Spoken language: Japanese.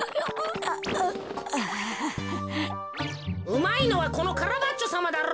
うまいのはこのカラバッチョさまだろ！